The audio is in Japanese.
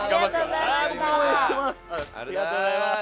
ありがとうございます。